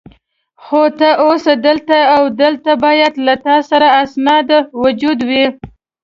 خو ته اوس دلته یې او دلته باید له تا سره اسناد موجود وي.